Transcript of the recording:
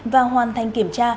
và hoàn thành kiểm tra